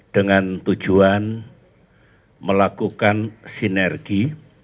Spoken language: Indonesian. dengan tujuan melakukan sinergi